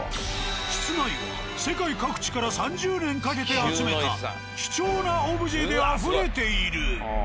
室内は世界各地から３０年かけて集めた貴重なオブジェであふれている。